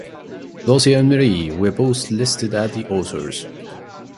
Dorsey and Murie were both listed as the authors.